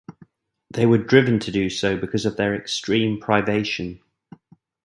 They were driven to do so because of their extreme privation.